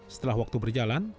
setelah waktu berjalan